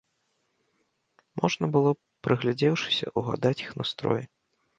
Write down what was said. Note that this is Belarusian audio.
Можна было, прыгледзеўшыся, угадаць іх настроі.